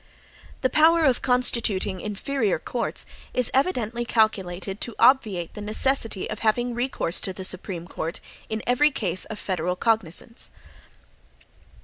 The power of constituting inferior courts is evidently calculated to obviate the necessity of having recourse to the Supreme Court in every case of federal cognizance.